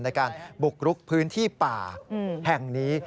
ในการบุกรุกพื้นที่ป่าแห่งนี้